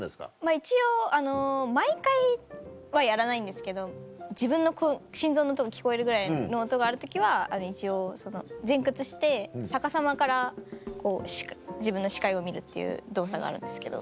一応毎回はやらないんですけど自分の心臓の音が聞こえるぐらいの音がある時は一応前屈して逆さまからこう自分の視界を見るっていう動作があるんですけど。